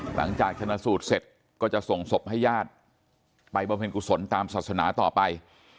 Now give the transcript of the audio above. หลังจากชนะสูตรเสร็จก็จะส่งศพให้ญาติไปบำเพ็ญกุศลตามศาสนาต่อไป